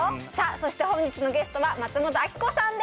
そして本日のゲストは松本明子さんです